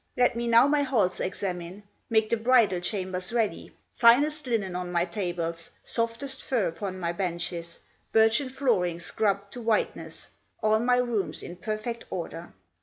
Let me now my halls examine; Make the bridal chambers ready, Finest linen on my tables, Softest furs upon my benches, Birchen flooring scrubbed to whiteness, All my rooms in perfect order."